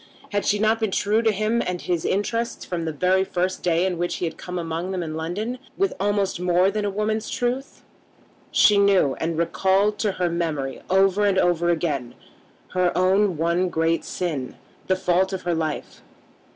Had she not been true to him and to his interests from the very first day in which he had come among them in London, with almost more than a woman's truth? She knew and recalled to her memory over and over again her own one great sin, the fault of her life.